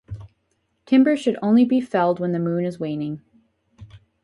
Timber should only be felled when the moon is waning.